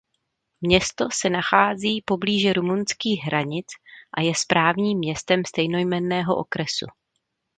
Město se nachází poblíže rumunských hranic a je správním městem stejnojmenného okresu.